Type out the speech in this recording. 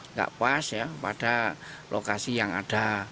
nggak pas ya pada lokasi yang ada